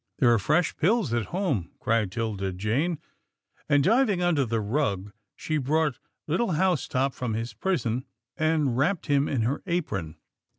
" There're fresh pills at home," cried 'Tilda Jane, and, diving under the rug, she brought little House top from his prison, and wrapped him in her apron.